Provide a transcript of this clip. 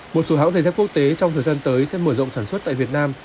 một số hãng giày dép quốc tế trong thời gian tới sẽ mở rộng sản xuất tại việt nam